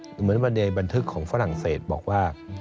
เหมือนบันไดบันทึกของฝรั่งเศสบอกว่า